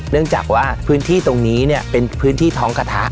เนื่องจากว่าพื้นที่ตรงนี้เป็นพื้นที่ท้องกระทะ